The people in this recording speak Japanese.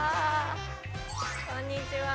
こんにちは。